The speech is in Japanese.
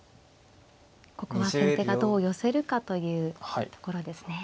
ここは先手がどう寄せるかというところですね。